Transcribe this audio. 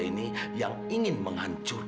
ini yang ingin menghantar